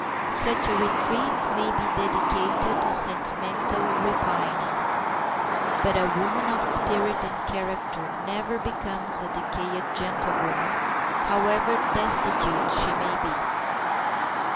Such a retreat may be dedicated to sentimental repining. But a woman of spirit and character never becomes a decayed gentlewoman, however destitute she may be.